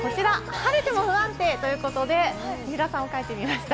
晴れても不安定ということで、水卜さんを描いてみました。